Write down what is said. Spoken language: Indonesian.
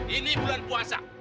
ini bulan puasa